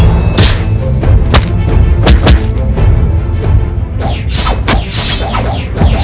mereka semua berpikir seperti itu